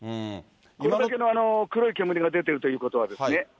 あれだけの黒い煙が出てるということはですね。